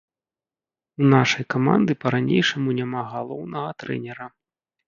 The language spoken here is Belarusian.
У нашай каманды па-ранейшаму няма галоўнага трэнера.